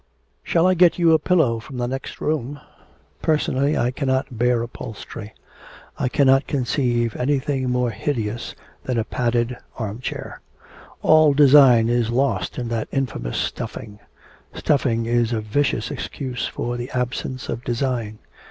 'Shall I get you a pillow from the next room? Personally I cannot bear upholstery. I cannot conceive anything more hideous than a padded armchair. All design is lost in that infamous stuffing. Stuffing is a vicious excuse for the absence of design.